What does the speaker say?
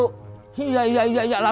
méthi yah yah yah yah lah